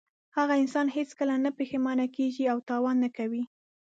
هغه انسان هېڅکله نه پښېمانه کیږي او تاوان نه کوي.